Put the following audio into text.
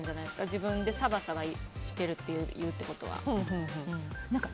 自分でサバサバしてるって言うってことは。